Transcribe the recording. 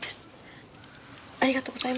ありがとうございます。